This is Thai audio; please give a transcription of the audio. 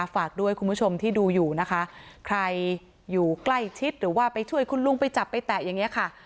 ฝากด้วยคุณผู้ชมที่ดูอยู่นะคะใครอยู่ใกล้ชิดหรือว่าไปช่วยคุณลุงไปจับไปแตะอย่างนี้ค่ะ